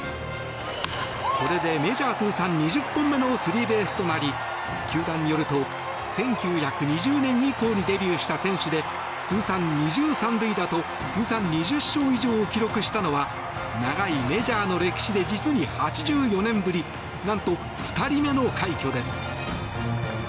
これでメジャー通算２０本目のスリーベースとなり球団によると１９２０年以降にデビューした選手で通算２０三塁打と通算２０勝以上を記録したのは長いメジャーの歴史で実に８４年ぶり何と２人目の快挙です。